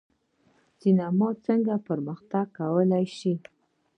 سینما څنګه پرمختګ کولی شي؟